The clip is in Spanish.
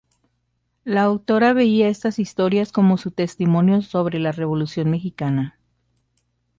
La autora veía estas historias como su testimonio sobre la Revolución mexicana.